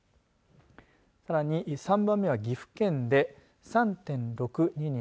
さらに、３番目は岐阜県で３．６２人。